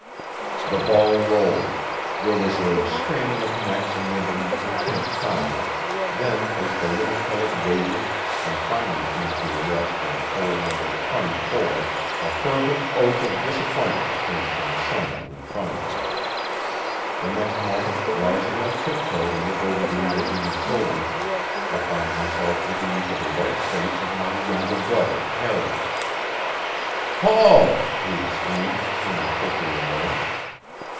The ball rolled; there was a straining of necks amid an intense silence; then, as the little pellet wavered and finally came to a rest in the hole number twenty four a fervent oath of disappointment came from some one in front of me. The next moment, rising on tiptoe to look over the intervening shoulders, I found myself looking into the white face of my younger brother Harry. "Paul!" he exclaimed, turning quickly away.